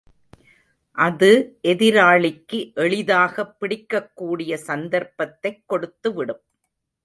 அது எதிராளிக்கு எளிதாகப் பிடிக்கக்கூடிய சந்தர்ப்பத்தைக் கொடுத்துவிடும்.